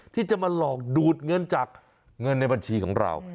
ที่จะมาหลอกดูดเงินจากเงินในบัญชีของเรา